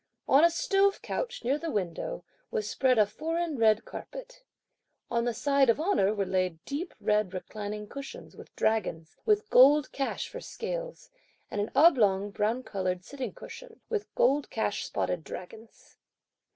On a stove couch, near the window, was spread a foreign red carpet. On the side of honour, were laid deep red reclining cushions, with dragons, with gold cash (for scales), and an oblong brown coloured sitting cushion with gold cash spotted dragons.